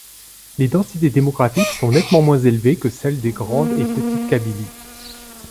Les densités démographiques sont nettement moins élevées que celles des Grande et Petite Kabylies.